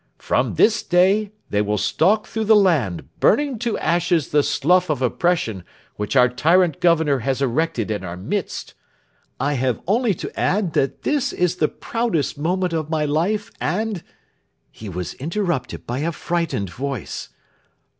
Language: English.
From this day they will stalk through the land burning to ashes the slough of oppression which our tyrant Governor has erected in our midst. I have only to add that this is the proudest moment of my life, and " He was interrupted by a frightened voice.